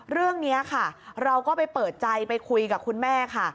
เรื่องนี้ค่ะเราก็ไปเปิดใจไปคุยกับคุณแม่ค่ะ